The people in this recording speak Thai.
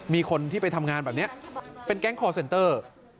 มีคนที่ไปทำงานแบบนี้เป็นแก๊งคอร์เซนเตอร์